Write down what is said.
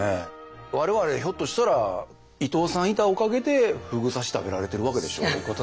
我々ひょっとしたら伊藤さんいたおかげでふぐ刺し食べられてるわけでしょ。